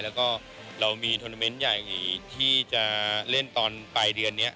แล้วก็เรามีทวนาเมนต์ใหญ่ที่จะเล่นตอนปลายเดือนนี้